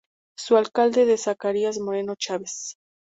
Su alcalde es Zacarías Moreno Chaves.